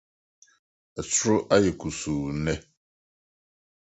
Ɔsoro ayɛ kusuu nnɛ.